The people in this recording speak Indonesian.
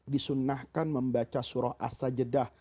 disunnahkan membaca surah as sajadah